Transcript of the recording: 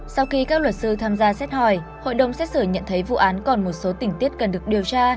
sau khi các luật sư tham gia xét hỏi hội đồng xét xử nhận thấy vụ án còn một số tình tiết cần được điều tra